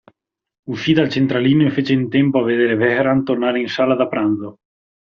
Uscì dal centralino e fece in tempo a vedere Vehrehan tornare in sala da pranzo.